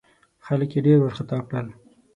خلک یې ډېر وارخطا کړل.